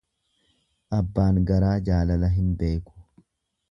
Abbaan garaa jaalala hin beeku.